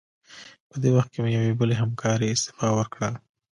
په دې وخت کې مې یوې بلې همکارې استعفا ورکړه.